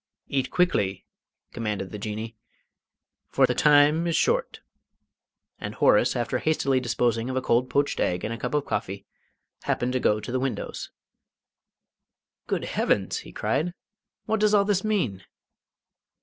"Eat quickly," commanded the Jinnee, "for the time is short." And Horace, after hastily disposing of a cold poached egg and a cup of coffee, happened to go to the windows. "Good Heavens!" he cried. "What does all this mean?"